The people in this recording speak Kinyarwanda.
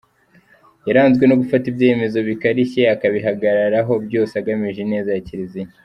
Yaranzwe no gufata ibyemezo bikarishye akabihagararaho, byose agamije ineza ya Kiliziya.